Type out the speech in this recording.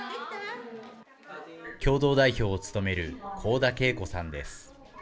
共同代表を務める幸田桂子さんです。